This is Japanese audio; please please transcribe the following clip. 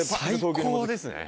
最高ですね！